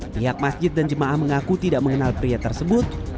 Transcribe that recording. pihak masjid dan jemaah mengaku tidak mengenal pria tersebut